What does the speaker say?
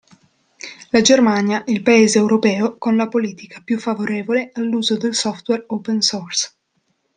La Germania è il paese europeo con la politica più favorevole all'uso del software open source.